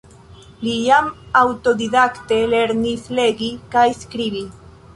Li jam aŭtodidakte lernis legi kaj skribi.